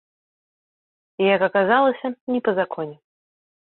Як аказалася, не па законе.